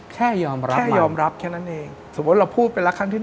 แค่ยอมรับมันแค่ยอมรับแค่นั้นเองสมมติเราพูดเป็นลักษณ์ที่๑